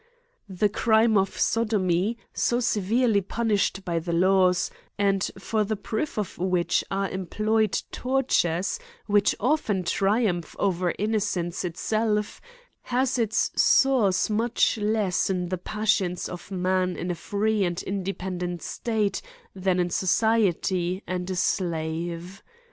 The crime of sodomy, so severely punished by the laws, and for the proof of which are employed tortures, which often triumph over innocence it self, has its source much less in the passions of man in a free and independent state than in so ciety and a slave.